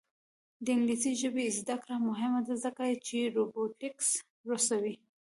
د انګلیسي ژبې زده کړه مهمه ده ځکه چې روبوټکس رسوي.